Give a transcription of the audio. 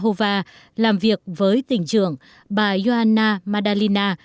thủ tướng sẽ đến thăm tỉnh bratislava làm việc với tỉnh trưởng bà ioanna madalina